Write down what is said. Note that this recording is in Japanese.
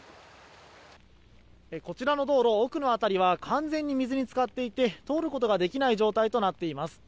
こちらの道路、奥の辺りは完全に水に浸かっていて通ることができない状況となっています。